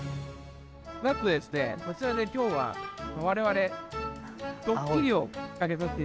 なんとですねこちらで今日は我々どっきりをかけさせて。